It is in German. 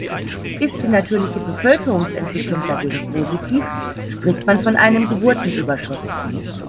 Ist die natürliche Bevölkerungsentwicklung dagegen positiv, spricht man von einem Geburtenüberschuss.